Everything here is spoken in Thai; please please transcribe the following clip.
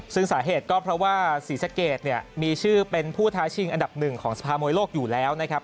ซึ่งสาเหตุก็เพราะว่าศรีสะเกดเนี่ยมีชื่อเป็นผู้ท้าชิงอันดับหนึ่งของสภามวยโลกอยู่แล้วนะครับ